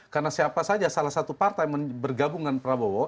karena siapa saja salah satu partai bergabung dengan prabowo